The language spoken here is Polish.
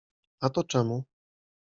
A to czemu?